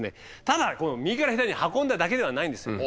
ただ右から左に運んだだけではないんです。